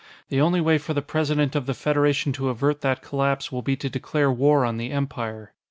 The only way for the President of the Federation to avert that collapse will be to declare war on the Empire.